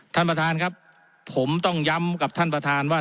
ท่านประธานครับผมต้องย้ำกับท่านประธานว่า